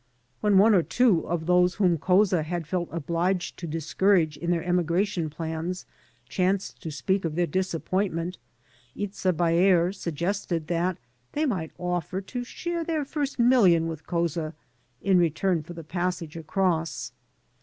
When one or two of those whom Couza had felt obliged to discourage in their emigration plans chanced to speak of their disappointment, Itza Baer suggested that they might oflfer to share their first million with Couza in return for the passage across.